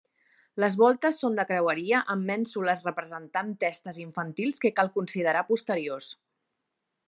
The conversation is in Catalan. Les voltes són de creueria amb mènsules representant testes infantils que cal considerar posteriors.